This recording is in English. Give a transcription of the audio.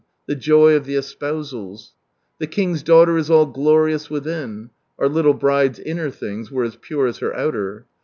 The joy of the espousals. " The King's daughter is all glorious within. (Our little bride's inner things were as pure as her outer.)